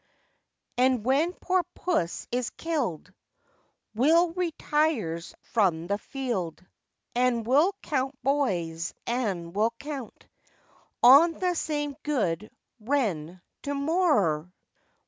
And when poor puss is killed, We'll retires from the field; And we'll count boys, and we'll count On the same good ren to morrer. Cho.